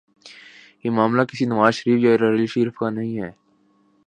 یہ معاملہ کسی نواز شریف یا راحیل شریف کا نہیں ہے۔